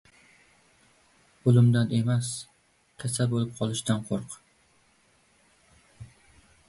• O‘limdan emas, kasal bo‘lib qolishdan qo‘rq.